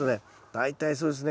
大体そうですね